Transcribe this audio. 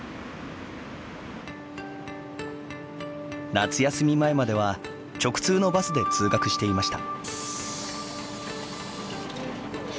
夏休み前までは直通のバスで通学していました。